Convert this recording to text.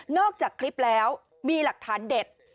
จากคลิปแล้วมีหลักฐานเด็ด